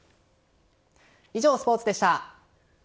以上、スポーツでした。